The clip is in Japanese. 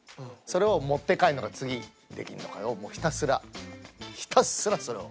それを持って帰るのか次できるのかをもうひたすらひたすらそれを。